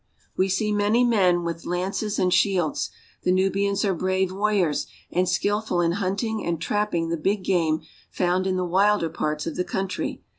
We see many men with lances and shields. The Nubians are brave warriors, and skillful in hunting and trapping the big game found in the wilder parts of the country.